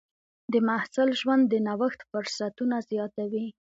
د محصل ژوند د نوښت فرصتونه زیاتوي.